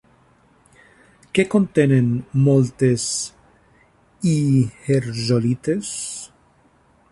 Què contenen moltes lherzolites?